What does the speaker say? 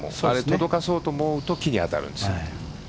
届かそうと思うと木に当たるんです。